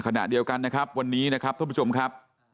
ขณะเดียวกันนะครับวันนี้นะครับท่านผู้ชมครับ